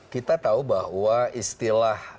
kita tahu bahwa istilah